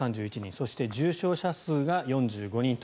そして重症者数が４５人と。